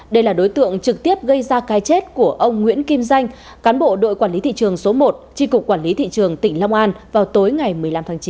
đây là đối tượng trực tiếp gây ra cái chết của ông nguyễn kim danh cán bộ đội quản lý thị trường số một tri cục quản lý thị trường tỉnh long an vào tối ngày một mươi năm tháng chín